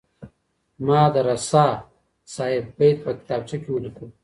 ما د رسا صاحب بیت په کتابچه کي ولیکلو.